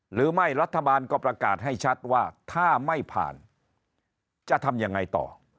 หรือไม่รัฐบาลก็ประกาศให้ชัดว่าถ้าไม่ผ่านจะทำยังไงต่อ